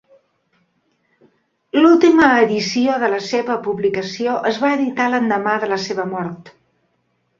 L'última edició de la seva publicació es va editar l'endemà de la seva mort.